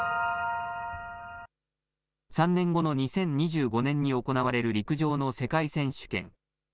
３年後の２０２５年に行われる陸上の世界選手権。